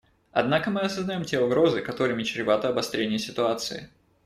Однако мы осознаем те угрозы, которыми чревато обострение ситуации.